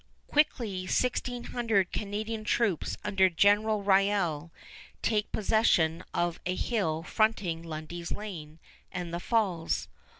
Quickly sixteen hundred Canadian troops under General Riall take possession of a hill fronting Lundy's Lane and the Falls.